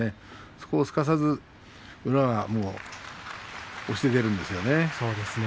そこをすかさず宇良が押して出るんですよね。